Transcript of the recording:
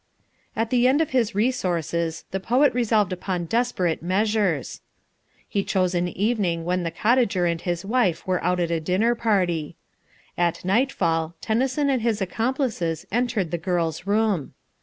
At the end of his resources the poet resolved upon desperate measures. He chose an evening when the cottager and his wife were out at a dinner party. At nightfall Tennyson and his accomplices entered the girl's room.